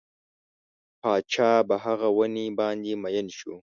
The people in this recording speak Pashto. پاچا په هغه ونې باندې مین شو.